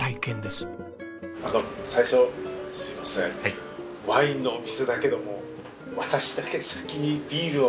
あの最初すみませんワインのお店だけども私だけ先にビールを一つ。